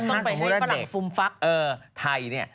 แต่ถ้าสมมุติว่าเด็กไทยนี่